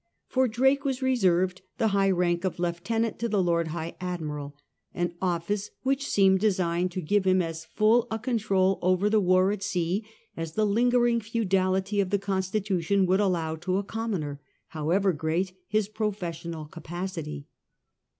For Drake was reserved the high rank of Lieutenant to the Lord High Admiral, an oflftce which seemed designed to give him as full a control over the war at sea as the lingering feudality of the constitution would allow to a com moner, however great his professional capacity.